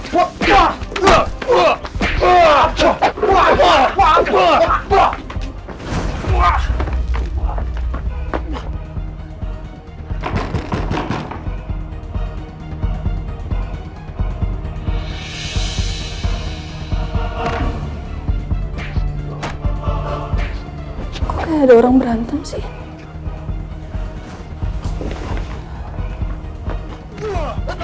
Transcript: kok kayak ada orang berantem sih